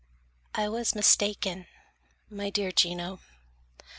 I was mistaken, my dear Gino.